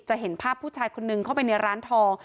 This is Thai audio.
เห็นภาพผู้ชายคนนึงเข้าไปในร้านทอง